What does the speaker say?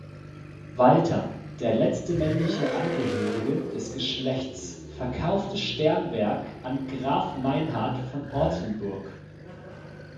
Walter, der letzte männliche Angehörige des Geschlechts, verkaufte Sternberg an Graf Meinhard von Ortenburg.